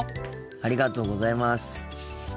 ありがとうございます。